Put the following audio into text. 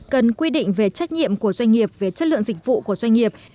cần quy định về trách nhiệm của doanh nghiệp về chất lượng dịch vụ của doanh nghiệp